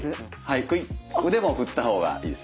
クイッ腕も振った方がいいです。